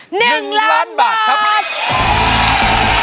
หนึ่งล้านบาทครับ